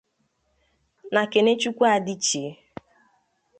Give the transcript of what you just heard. na Kenechukwu Adichie